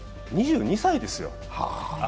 ２２歳ですよ！